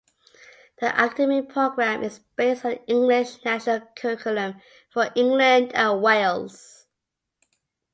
The academic programme is based on the English National Curriculum for England and Wales.